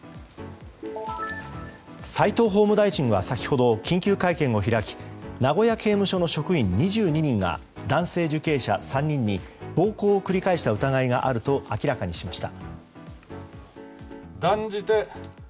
齋藤法務大臣は先ほど緊急会見を開き名古屋刑務所の職員２２人が男性受刑者３人に暴行を繰り返した疑いがあると明らかにしました。